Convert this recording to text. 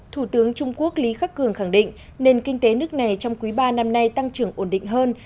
thủ tướng trung quốc lý khắc cường khẳng định nền kinh tế nước này trong quý ba năm nay tăng trưởng ổn định hơn